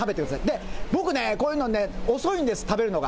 で、僕ね、こういうのね、遅いんです、食べるのが。